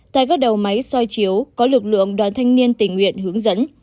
tại các đầu máy soi chiếu có lực lượng đoàn thanh niên tình nguyện hướng dẫn